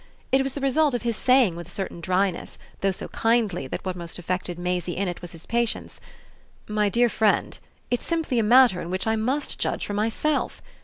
It was the result of his saying with a certain dryness, though so kindly that what most affected Maisie in it was his patience: "My dear friend, it's simply a matter in which I must judge for myself.